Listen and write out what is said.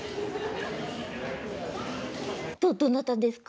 どどなたですか？